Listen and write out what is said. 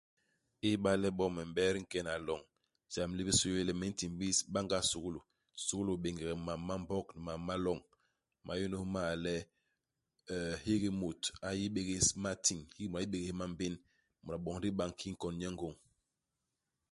Iba le bo me m'bet nkena loñ, jam li bisu li yé le me ntimbis banga sukulu, sukulu i béngege mam ma Mbog, mam ma loñ. Ma n'yônôs m'ma le, euh hiki mut a yi bégés matiñ, hiki mut a yi bégés mambén ; mut a boñ ndigi bañ kii i nkon nye ngôñ.